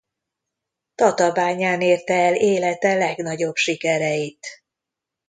Tatabányán érte el élete legnagyobb sikereit.